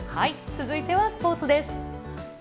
続いてはスポーツです。